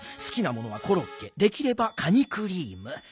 すきなものはコロッケできればカニクリーム。